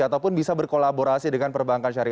ataupun bisa berkolaborasi dengan perbankan syariah